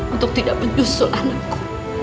untuk tidak menyusul anakku